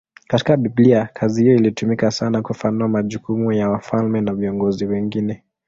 Katika Biblia kazi hiyo ilitumika sana kufafanua majukumu ya wafalme na viongozi wengine.